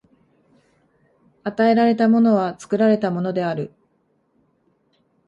与えられたものは作られたものである。